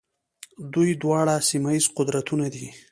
دوی دواړه سیمه ییز قدرتونه دي.